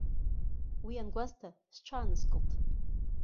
Уи ангәасҭа, сҽааныскылт.